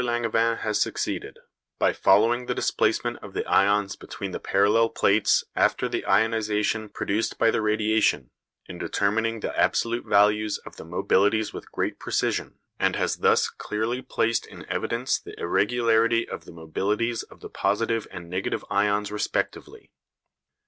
Langevin has succeeded, by following the displacement of the ions between the parallel plates after the ionisation produced by the radiation, in determining the absolute values of the mobilities with great precision, and has thus clearly placed in evidence the irregularity of the mobilities of the positive and negative ions respectively.